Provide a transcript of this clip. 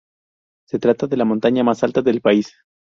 Se trata de la montaña más alta del país.